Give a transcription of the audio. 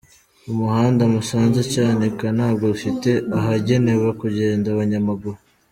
Umuhanda Musanze-Cyanika ntabwo ufite ahagenewe kugenda abanyamaguru.